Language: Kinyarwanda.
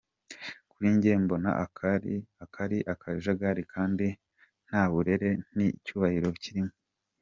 Kuri jye mbona aka ari akajagali kandi nta burere n’icyubahiro kirimo.